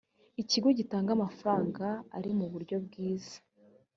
ikigo gitanga amafaranga ari mu buryo bwiza